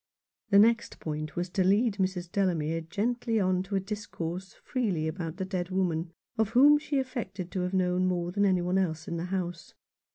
The next point was to lead Mrs. Delamere gently on to discourse freely about the dead woman, of whom she affected to have known more than any one else in the house.